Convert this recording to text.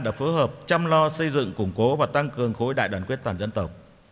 đã phối hợp chăm lo xây dựng củng cố và tăng cường khối đại đoàn kết toàn dân tộc